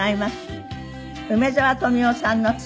梅沢富美男さんの妻